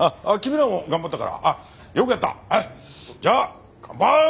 じゃあ乾杯！